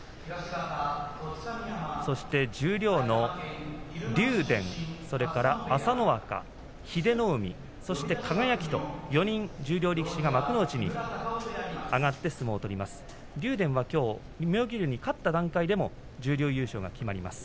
十両の竜電と朝乃若英乃海、そして輝と４人十両力士が幕内に上がって相撲を取ります。